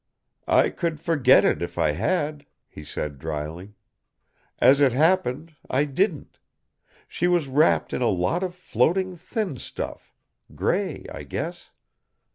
"I could forget it if I had," he said dryly. "As it happened, I didn't. She was wrapped in a lot of floating thin stuff; gray, I guess?